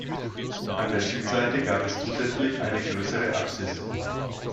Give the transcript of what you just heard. An der Südseite gab es zusätzlich eine größere Apsis.